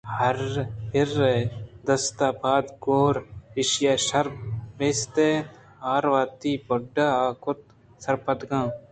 حر ءِ دست ءُ پاد گوٛر ایشی ءَ شر بست اَنت حروتی بڈّ ءَ کُت ءُ سرگپتاں